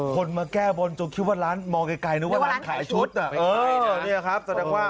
คนมาแก้บนจงคิดว่าร้านมองไกลนึกว่าร้านขายชุด